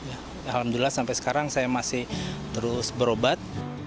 alhamdulillah sampai sekarang saya masih terus berobat